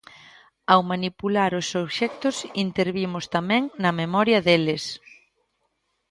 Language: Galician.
Ao manipular os obxectos intervimos tamén na memoria deles.